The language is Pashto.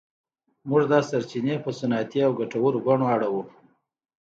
موږ دا سرچینې په صنعتي او ګټورو بڼو اړوو.